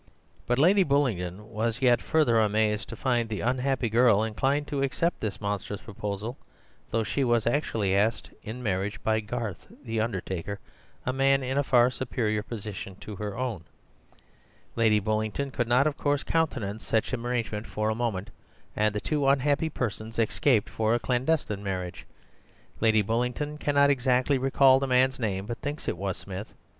But Lady Bullingdon was yet further amazed to find the unhappy girl inclined to accept this monstrous proposal, though she was actually asked in marriage by Garth, the undertaker, a man in a far superior position to her own. Lady Bullingdon could not, of course, countenance such an arrangement for a moment, and the two unhappy persons escaped for a clandestine marriage. Lady Bullingdon cannot exactly recall the man's name, but thinks it was Smith.